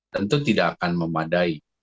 tentu tidak akan memadai